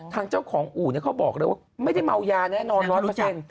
ทางเจ้าของอู่เขาบอกเลยว่าไม่ได้เมายาแน่นอนร้อยเปอร์เซ็นต์